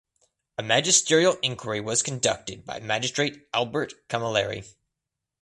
A magisterial inquiry was conducted by Magistrate Albert Camilleri.